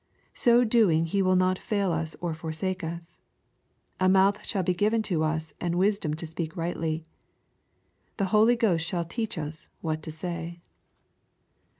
So doing He will not fail us or forsake us. A mouth shall be given to us and wisdom to speak rightly. " The Holy Ghost shall teach us" what to say.